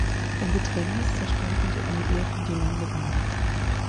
In Bedrängnis zerstörten die Alliierten die Landebahn.